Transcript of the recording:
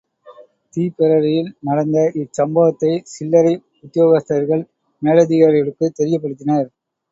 தீப்பெரரியில் நடந்த இச்சம்பவத்தைச் சில்லறை உத்தியோகஸ்தர்கள் மேலதிகாரிகளுக்குத் தெரியப்படுகின்றனர்.